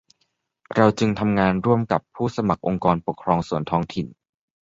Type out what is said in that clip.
เราจึงทำงานร่วมกับผู้สมัครองค์กรปกครองส่วนท้องถิ่น